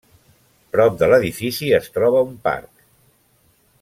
Prop de l'edifici es troba un parc.